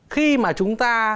khi mà chúng ta